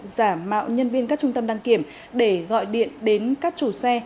giả mạo nhân viên các trung tâm đăng kiểm để gọi điện đến các chủ xe